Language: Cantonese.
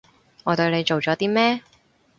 我對你做咗啲咩？